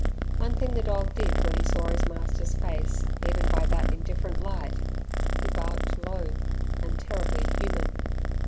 One thing the dog did when he saw his master's face even by that indifferent light, he barked low, and terribly human.